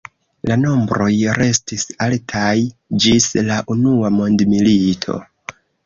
La nombroj restis altaj ĝis la Unua mondmilito.